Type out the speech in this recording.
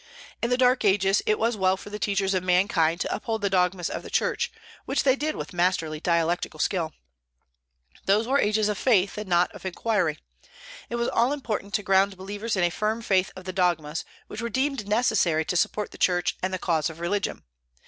In the Dark Ages it was well for the teachers of mankind to uphold the dogmas of the Church, which they did with masterly dialectical skill. Those were ages of Faith, and not of Inquiry. It was all important to ground believers in a firm faith of the dogmas which were deemed necessary to support the Church and the cause of religion.